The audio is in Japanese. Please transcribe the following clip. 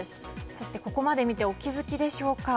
そして、ここまで見てお気づきでしょうか。